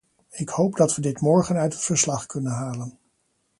Ik hoop dat we dit morgen uit het verslag kunnen halen.